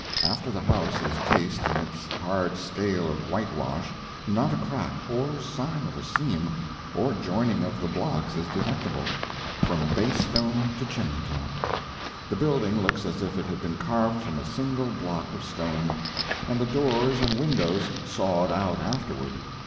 After the house is cased in its hard scale of whitewash, not a crack, or sign of a seam, or joining of the blocks is detectable, from base stone to chimney top; the building looks as if it had been carved from a single block of stone, and the doors and windows sawed out afterward.